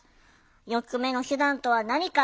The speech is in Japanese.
４つ目の手段とは何か？